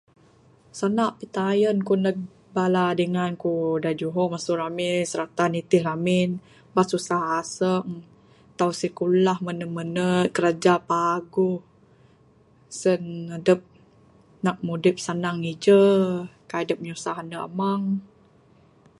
Sanda pitayen neg bala dingan ku da juho masu ramin sirata nitih ramin ba susah aseng tau sikulah mene mene kiraja paguh sen adep nak mudip sanang ije, kaik adep nyusah ande amang